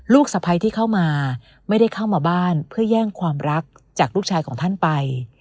สะพ้ายที่เข้ามาไม่ได้เข้ามาบ้านเพื่อแย่งความรักจากลูกชายของท่านไป